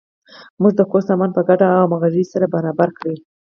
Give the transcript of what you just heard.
موږ د کور سامان په ګډه او همغږۍ سره برابر کړ.